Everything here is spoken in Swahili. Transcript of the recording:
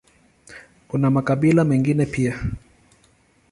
Kuna makabila mengine pia.